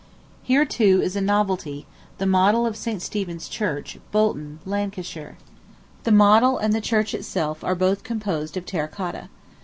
Here, too, is a novelty the model of St. Stephen's Church, Bolton, Lancashire. The model and the church itself are both composed of terra cotta.